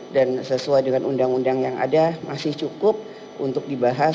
dan sesuai dengan undang undang yang ada masih cukup untuk dibahas